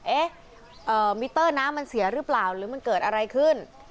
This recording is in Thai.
เอ๊ะมิเตอร์น้ำมันเสียหรือเปล่าหรือมันเกิดอะไรขึ้น